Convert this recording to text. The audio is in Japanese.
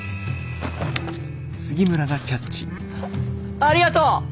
ありがとう！